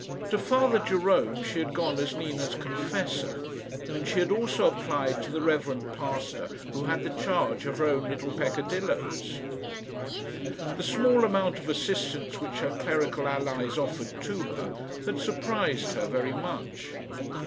To Father Jerome she had gone as Nina's confessor, and she had also applied to the reverend pastor who had the charge of her own little peccadilloes. The small amount of assistance which her clerical allies offered to her had surprised her very much.